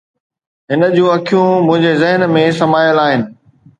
هن جون اکيون منهنجي ذهن ۾ سمايل آهن